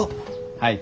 はい。